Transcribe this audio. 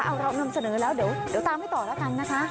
เอาเรานำเสนอแล้วเดี๋ยวตามให้ต่อแล้วกันนะคะ